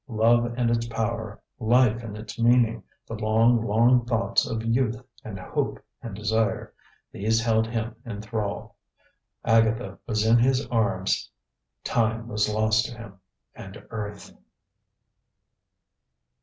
Love and its power, life and its meaning, the long, long thoughts of youth and hope and desire these held him in thrall. Agatha was in his arms. Time was lost to him, and earth.